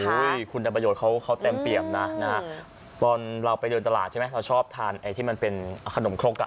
คุณประโยชน์เขาเต็มเปี่ยมนะตอนเราไปเดินตลาดใช่ไหมเราชอบทานไอ้ที่มันเป็นขนมครกอ่ะ